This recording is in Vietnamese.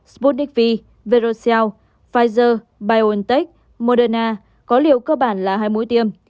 sputnik v verocell pfizer biontech moderna có liều cơ bản là hai mũi tiêm